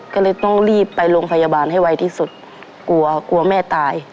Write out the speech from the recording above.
ก็เลยต้องรีบไปโรงพยาบาลให้ไวที่สุดกลัวกลัวแม่ตาย